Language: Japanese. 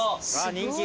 人気。